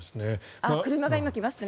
車が今、来ましたね。